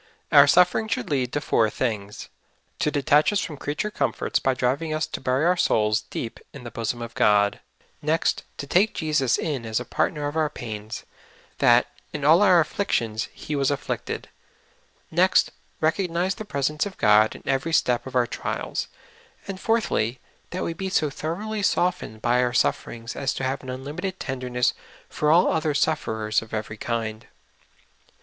Our sufferings should lead to four things — to detach us from creature comforts by driving us to bur}^ our souls deep in the bosom of God ; next, to take Jesus in as a partner of our pains, that " in all our afflictions He was afflicted ;" next, recognize the presence of God in ever}' step of our trials ; and fourthly, that we be so thoroughly softened by our suf ferings as to ha\ e an unlimited tenderness for all other sufferers of ever} kind.